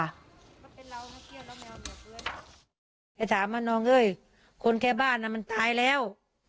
แกถามว่าน้องเฮ้ยคนแค่บ้านมันตายแล้ว